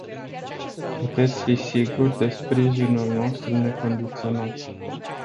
Puteți fi sigur de sprijinul nostru necondiționat.